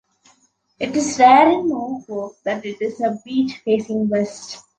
It is rare in Norfolk that it is a beach facing West.